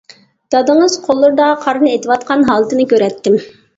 دادىڭىز قوللىرىدا قارنى ئېتىۋاتقان ھالىتىنى كۆرەتتىم.